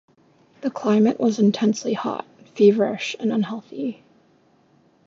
The climate was intensely hot, feverish, and unhealthy.